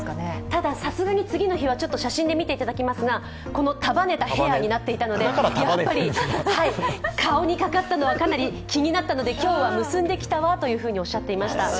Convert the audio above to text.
ただ、さすがに次の日はこの束ねたヘアーになっていたのでやっぱり、顔にかかったのはかなり気になったので今日は結んできたわとおっしゃっていました。